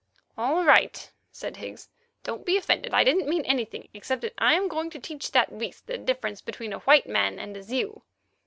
"All right," said Higgs, "don't be offended. I didn't mean anything, except that I am going to teach that beast the difference between a white man and a Zeu."